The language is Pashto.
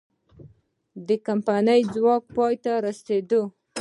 د کمپنۍ واک پای ته ورسید.